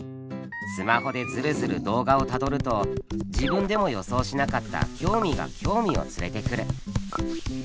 スマホでずるずる動画をたどると自分でも予想しなかった興味が興味を連れてくる。